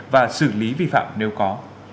và xử lý vi phạm nếu có